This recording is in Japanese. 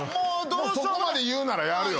そこまで言うならやるよ。